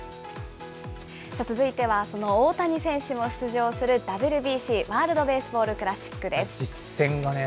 続いては、その大谷選手も出場するＷＢＣ・ワールドベースボールクラシックです。